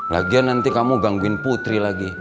lagi ya nanti kamu gangguin putri lagi